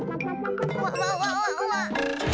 わわわわわイタ！